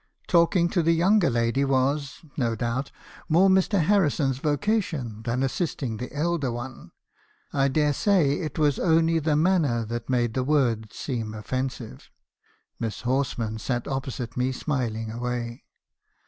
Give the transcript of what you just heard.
"*• Talking to the younger lady was, no doubt, more Mr. Harrison's vocation than assisting the elder one.' I dare say it was only the manner that made the words seem offensive. Miss Horsman sat opposite to me, smiling away.